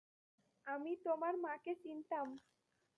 আমি তোমার মাকে চিনতাম।